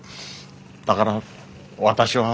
だから私は。